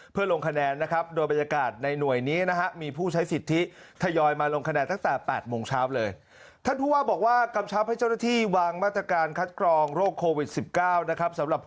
เพื่อลงคะแนนนะครับ